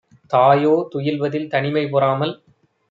தாயோ துயில்வதில் தனிமை பொறாமல்